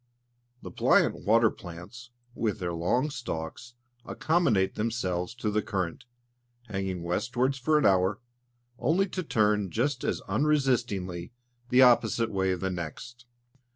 The pliant water plants, with their long stalks, accommodate themselves to the current, hanging westwards for an hour, only to turn just as unresistingly the opposite way the next.